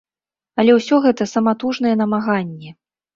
Але ўсё гэта саматужныя намаганні.